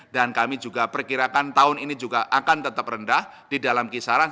dan kami juga perkirakan tahun ini juga akan tetap rendah di dalam kisaran